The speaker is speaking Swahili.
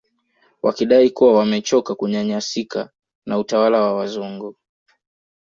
Wakidai kuwa wamechoka kunyanyasika na utawala wa wazungu